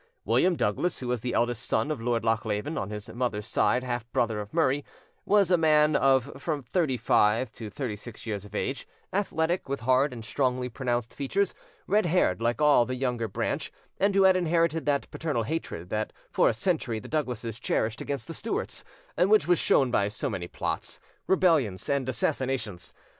William Douglas, who was the eldest son of Lord Lochleven, on his mother's side half brother of Murray, was a man of from thirty five to thirty six years of age, athletic, with hard and strongly pronounced features, red haired like all the younger branch, and who had inherited that paternal hatred that for a century the Douglases cherished against the Stuarts, and which was shown by so many plots, rebellions, and assassinations.